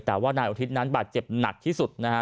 แต่ว่านายอุทิศนั้นบาดเจ็บหนักที่สุดนะฮะ